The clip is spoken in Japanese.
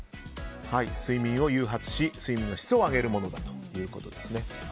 睡眠を誘発し睡眠の質を上げるものだということですね。